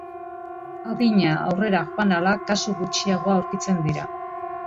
Adina aurrera joan ahala kasu gutxiago aurkitzen dira.